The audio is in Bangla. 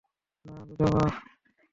না, বিধবা।